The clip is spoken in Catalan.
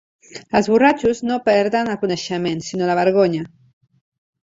Els borratxos no perden el coneixement, sinó la vergonya.